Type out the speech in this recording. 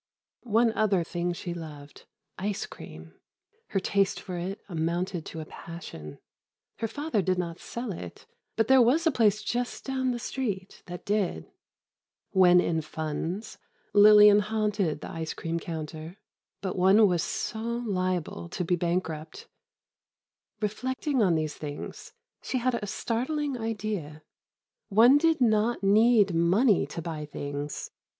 One other thing she loved—ice cream—her taste for it amounted to a passion. Her father did not sell it, but there was a place just down the street that did. When in funds, Lillian haunted the ice cream counter. But one was so liable to be bankrupt. Reflecting on these things, she had a startling idea. One did not need money to buy things!